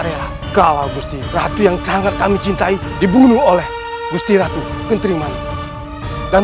area kalau gusti ratu yang sangat kami cintai dibunuh oleh gusti ratu entryman dan